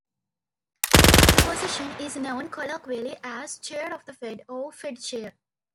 The position is known colloquially as "Chair of the Fed" or "Fed Chair".